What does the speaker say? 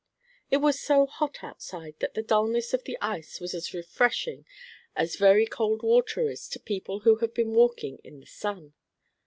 It was so hot outside, that the dullness of the ice was as refreshing as very cold water is to people who have been walking in the sun.